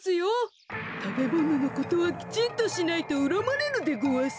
たべもののことはきちんとしないとうらまれるでごわす。